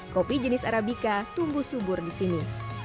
kopi jenis arabica tumbuh subur di sini